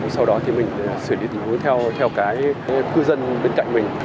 sau đó thì mình xử lý tình huống theo cái cư dân bên cạnh mình